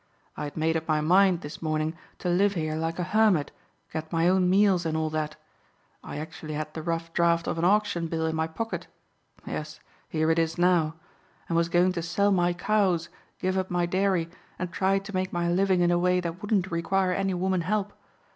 I had made up my mind this morning to live here like a hermit, get my own meals, and all that. I actually had the rough draught of an auction bill in my pocket, yes, here it is now, and was going to sell my cows, give up my dairy, and try to make my living in a way that wouldn't require any woman help.